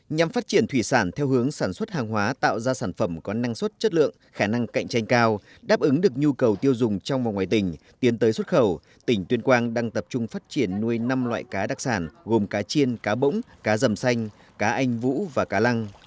nhằm phát triển thủy sản theo hướng sản xuất hàng hóa tạo ra sản phẩm có năng suất chất lượng khả năng cạnh tranh cao đáp ứng được nhu cầu tiêu dùng trong và ngoài tỉnh tiến tới xuất khẩu tỉnh tuyên quang đang tập trung phát triển nuôi năm loại cá đặc sản gồm cá chiên cá bỗng cá dầm xanh cá anh vũ và cá lăng